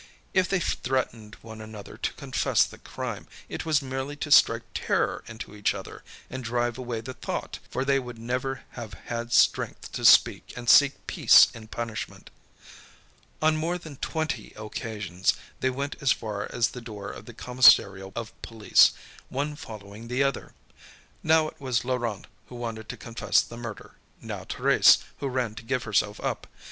If they threatened one another to confess the crime, it was merely to strike terror into each other and drive away the thought, for they would never have had strength to speak and seek peace in punishment. On more than twenty occasions, they went as far as the door of the commissariat of police, one following the other. Now it was Laurent who wanted to confess the murder, now Thérèse who ran to give herself up.